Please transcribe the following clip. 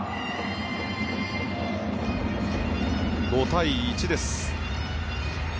５対１です。